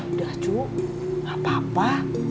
udah cu gapapa